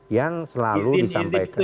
yang selalu disampaikan